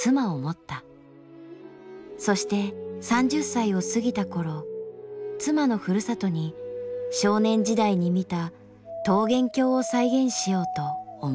そして３０歳を過ぎた頃妻のふるさとに少年時代に見た桃源郷を再現しようと思い立つ。